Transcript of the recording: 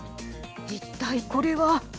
一体、これは。